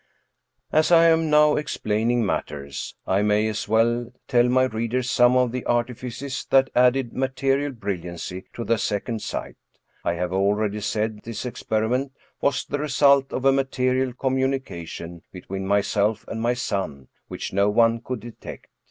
As I am now explaining matters, I may as well tell my readers some of the artifices that added material brilliancy to the second sight. I have already said this experiment was the result of a material communication between my self and my son which no one could detect.